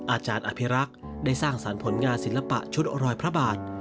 อาจารย์อภิรักษ์ได้สร้างสรรค์ผลงานศิลปะชุดรอยพระบาท